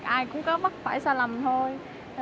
ai cũng có bắt phải xa lầm thôi